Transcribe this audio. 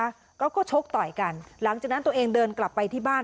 แล้วก็ชกต่อยกันหลังจากนั้นตัวเองเดินกลับไปที่บ้าน